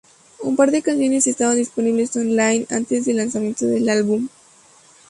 Un par de canciones estaban disponibles online antes de el lanzamiento del álbum.